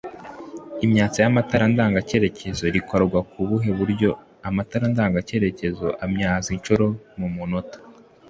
imyatsa ry’amatara ndanga cyerekezo rikorwa kubuhe buryo?amatara ndanga cyerekezo amyatsa inshuro mumunota